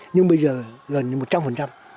nhưng bây giờ gần như một trăm linh